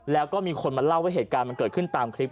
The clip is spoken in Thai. แล้วก็มีคนมาเล่าว่าเหตุการณ์มันเกิดขึ้นตามคลิป